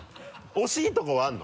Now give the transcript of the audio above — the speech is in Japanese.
惜しいところはあるの？